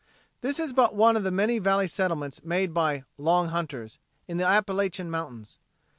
This is but one of the many valley settlements made by "Long Hunters" in the Appalachian Mountains.